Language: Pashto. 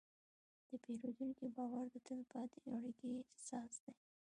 د پیرودونکي باور د تل پاتې اړیکې اساس دی.